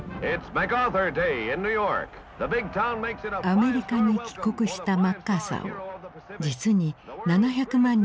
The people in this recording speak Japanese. アメリカに帰国したマッカーサーを実に７００万人が迎えた。